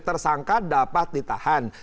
tersangka dapat ditahan